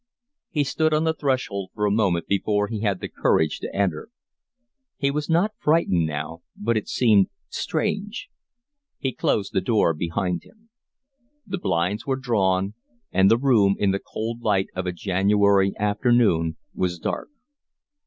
He stood on the threshold for a moment before he had the courage to enter. He was not frightened now, but it seemed strange. He closed the door behind him. The blinds were drawn, and the room, in the cold light of a January afternoon, was dark.